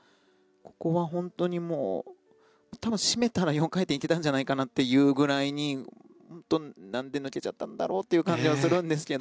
ここは本当に締めたら４回転行けたんじゃないかなというぐらいなんで抜けちゃったんだろうっていう感じはするんですが。